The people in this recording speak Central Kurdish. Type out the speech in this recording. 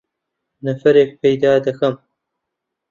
نەفەرێک پەیدا دەکەم.